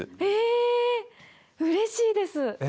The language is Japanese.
えうれしいです。